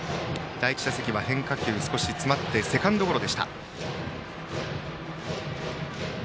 第１打席は変化球、少し詰まってセカンドゴロ。